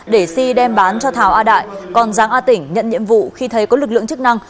để si đem bán cho thảo a đại còn giáng a tỉnh nhận nhiệm vụ khi thấy có lực lượng chức năng